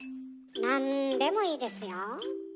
何でもいいですよ。